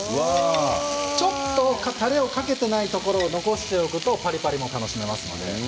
ちょっとたれをかけていないところを残しておくとパリパリも楽しめますね。